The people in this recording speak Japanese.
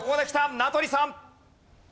名取さん。